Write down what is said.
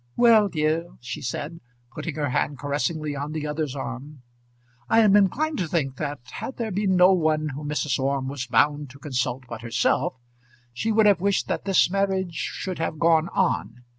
"Well, dear," she said, putting her hand caressingly on the other's arm. I am inclined to think that had there been no one whom Mrs. Orme was bound to consult but herself, she would have wished that this marriage should have gone on.